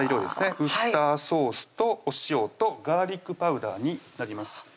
ウスターソースとお塩とガーリックパウダーになります